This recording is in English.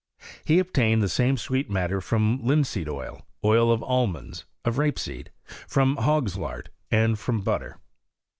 He obtained the same sweet matter from linseed oil, oil of al monds, of rape seed, from hogs* lard, and from but ter.